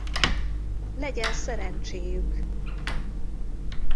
Legyen szerencséjük!